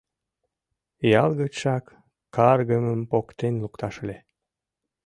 Ял гычшак каргымым поктен лукташ ыле...